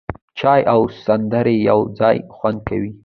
چای او سندرې یو ځای خوند کوي.